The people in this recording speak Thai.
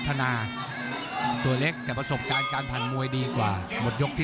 ธนาตัวเล็กแต่ประสบการณ์การผ่านมวยดีกว่าหมดยกที่